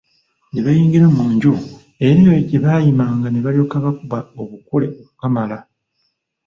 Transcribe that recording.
Ne bayingira mu nju era eyo gye bayimanga ne balyoka bakuba obukule okukamala!